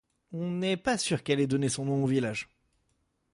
On n’est pas sûr qu’elle ait donné son nom au village.